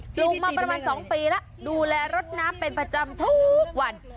ลูกมาประมาณ๒ปีแล้วดูแลรถน้ำเป็นประจำทุกวัน